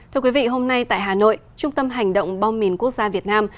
thưa quý vị hôm nay tại hà nội trung tâm hành động bom mìn quốc gia việt nam